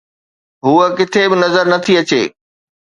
هوءَ ڪٿي به نظر نٿي اچي.